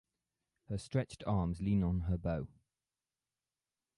Her stretched arms lean on her bow.